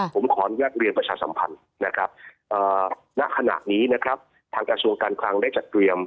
ผมขอนแรกเรียนประชาสัมพันธ์ณขณะนี้ทางการส่วนการคลังได้จัดเตรียม